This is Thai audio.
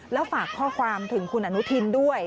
แล้วฝากข้อความถึงคุณอนุทินด้วย